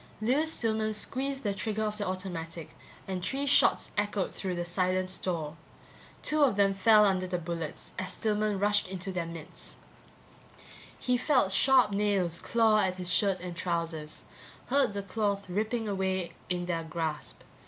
Lewis Stillman squeezed the trigger of the automatic and three shots echoed through the silent store. Two of them fell under the bullets as Stillman rushed into their midst. He felt sharp nails claw at his shirt and trousers, heard the cloth ripping away in their grasp.